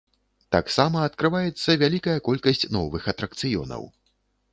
Таксама адкрываецца вялікая колькасць новых атракцыёнаў.